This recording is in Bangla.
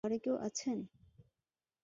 ঘরে কেউ আছেন?